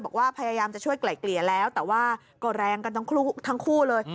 พยายามจะช่วยไกล่เกลี่ยแล้วแต่ว่าก็แรงกันทั้งคู่เลย